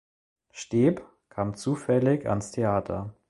Steeb kam zufällig ans Theater.